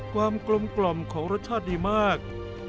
ความกลมกล่อมของรสชาติดีมาก